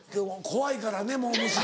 怖いからねモー娘。